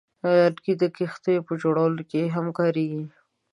لرګی د کښتیو په جوړولو کې هم کارېږي.